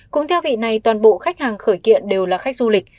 cũng theo vị này toàn bộ khách hàng khởi kiện đều là khách du lịch